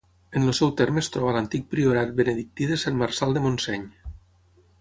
En el seu terme es troba l'antic priorat benedictí de Sant Marçal de Montseny.